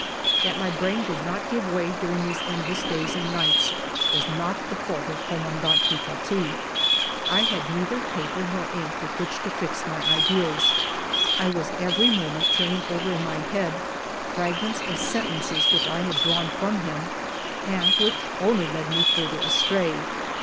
That my brain did not give way during these endless days and nights, was not the fault of Com mandant du Paty. I had neither paper nor ink with which to fix my ideas ; I was every moment turning over in my head fragments of sentences which 1 had drawn from him and which only led me further astray.